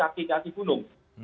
dan mereka bisa menyesuaikan gunung